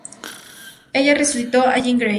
Ella resucitó a Jean Grey.